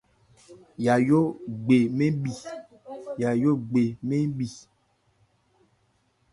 Yayó gbɛ mɛn mì.